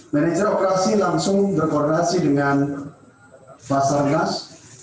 manajer operasi langsung berkoordinasi dengan basarnas